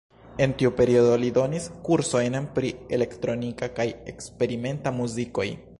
En tiu periodo li donis kursojn pri elektronika kaj eksperimenta muzikoj.